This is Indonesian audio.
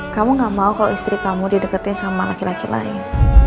kamu gak mau kalau istri kamu didekatin sama laki laki lain